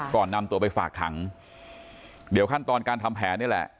ก่อนนำตัวไปฝากขังเดี๋ยวขั้นตอนการทำแผนนี่แหละ